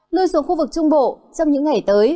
lui xuống khu vực trung bộ trong những ngày tới